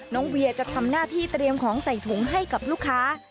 เวียจะทำหน้าที่เตรียมของใส่ถุงให้กับลูกค้า